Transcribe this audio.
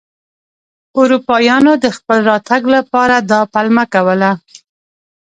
اروپایانو د خپل راتګ لپاره دا پلمه کوله.